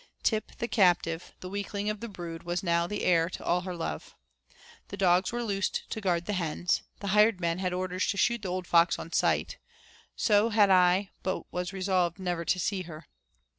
Tip the captive, the weakling of the brood, was now the heir to all her love. The dogs were loosed to guard the hens. The hired man had orders to shoot the old fox on sight so had I but was resolved never to see her.